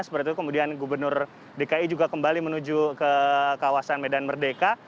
seperti itu kemudian gubernur dki juga kembali menuju ke kawasan medan merdeka